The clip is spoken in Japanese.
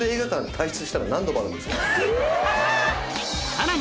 さらに